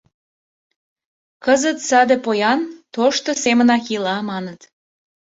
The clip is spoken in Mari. Кызыт саде поян тошто семынак ила, маныт.